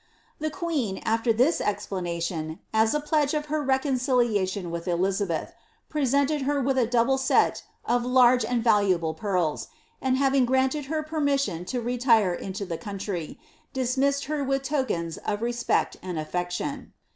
' The queen, after this exfrfaoation, as a pledge of her reconciliatioB with Elizabeth, presented her with a double set of large and valuable pearls, and having granted her permission to retire into the country, dis missed her with tokens of respect and affection.'